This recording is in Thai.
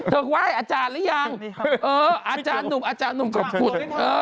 ไหว้อาจารย์หรือยังอาจารย์หนุ่มอาจารย์หนุ่มขอบคุณ